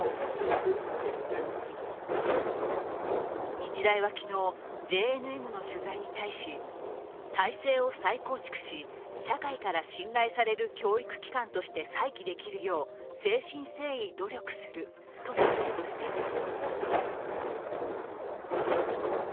日大は昨日、ＪＮＮの取材に対し体制を再構築し社会から信頼される教育機関として再起できるよう誠心誠意努力するとコメントしています。